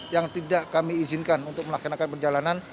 yang tidak kami izinkan untuk melaksanakan perjalanan